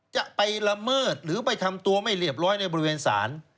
จะไปละเมิดหรือไปทำตัวไม่เรียบร้อยในบริเวณศาล